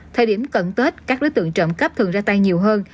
thời điểm cận tết các đối tượng trộm cắp thường ra tay nhiều hơn